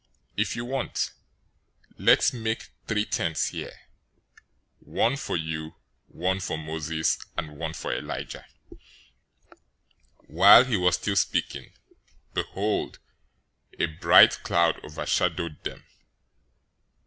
If you want, let's make three tents here: one for you, one for Moses, and one for Elijah." 017:005 While he was still speaking, behold, a bright cloud overshadowed them.